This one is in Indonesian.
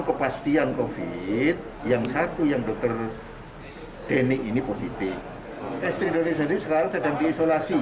kepastian covid yang satu yang dokter denik ini positif istri dari sendiri sekarang sedang diisolasi